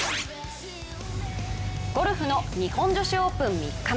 ゴルフの日本女子オープン３日目。